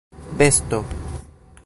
besto